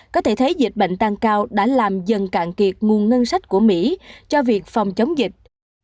có thể thấy dịch bệnh tăng cao đã làm dần cạn kiệt nguồn ngân sách của mỹ cho việc phòng chống dịch